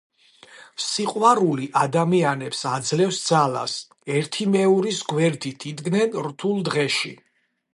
სიყვარული ადამიანებს აძლევს ძალას, ერთიმეორის გვერდით იდგნენ რთულ დღეში.